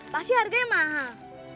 pasti harganya mahal